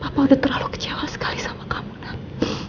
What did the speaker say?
aku udah terlalu kecewa sekali sama kamu nam